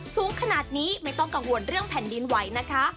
สูงขนาดนี้ไม่ต้องกังวลเรื่องแผ่นดินไหวนะคะ